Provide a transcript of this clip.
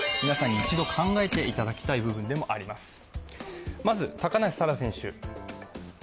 皆さんに一度考えていただきたい部分でもあります。